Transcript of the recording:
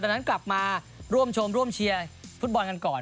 ดังนั้นกลับมาร่วมชมร่วมเชียร์ฟุตบอลกันก่อน